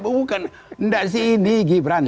bukan enggak sih ini gibran